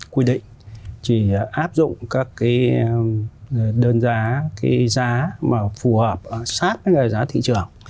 quy định chỉ áp dụng các đơn giá giá phù hợp sát với giá thị trường